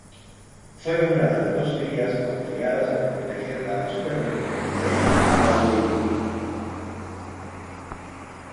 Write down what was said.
Fue una de las dos crías confiadas para proteger a la Supermente en Aiur.